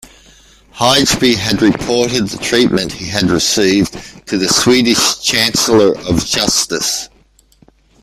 Haijby had reported the treatment he had received to the Swedish Chancellor of Justice.